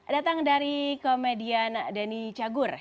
datang dari komedian denny cagur